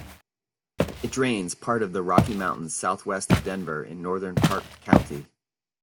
It drains part of the Rocky Mountains southwest of Denver in northern Park County.